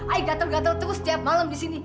ay gatel gatel terus tiap malam di sini